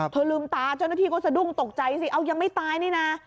ลืมตาเจ้าหน้าที่ก็สะดุ้งตกใจสิเอายังไม่ตายนี่นะ